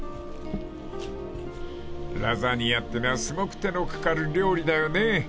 ［ラザニアってのはすごく手の掛かる料理だよね］